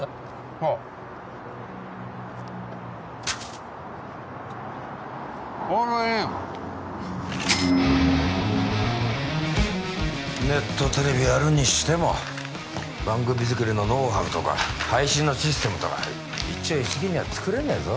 そうオールインネットテレビやるにしても番組作りのノウハウとか配信のシステムとか一朝一夕には作れねえぞ